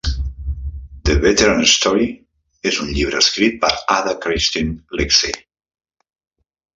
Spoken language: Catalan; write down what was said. "The Veteran's Story" és un llibre escrit per Ada Christine Lightsey.